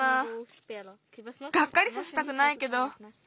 がっかりさせたくないけど。